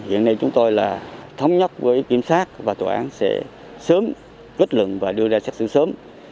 hiện nay chúng tôi là thống nhất với kiểm sát và tòa án sẽ sớm kết luận và đưa ra xét xử sớm